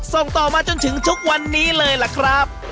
ส่งต่อมาจนถึงทุกวันนี้เลยล่ะครับ